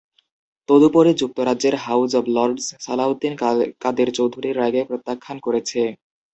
তদুপরি যুক্তরাজ্যের House of Lords Salauddin Quader চৌধুরীর রায়কে প্রত্যাখ্যান করেছে।